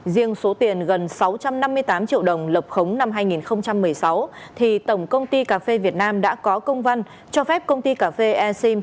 riêng số tiền gần sáu trăm năm mươi tám triệu đồng lập khống năm hai nghìn một mươi sáu thì tổng công ty cà phê việt nam đã có công văn cho phép công ty cà phê e sim